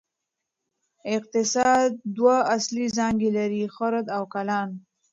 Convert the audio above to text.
اقتصاد دوه اصلي څانګې لري: خرد او کلان.